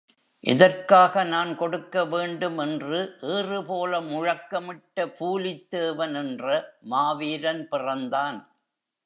எதற்காக நான் கொடுக்க வேண்டும் என்று ஏறுபோல முழக்கமிட்ட பூலித்தேவன் என்ற மாவீரன் பிறந்தான்.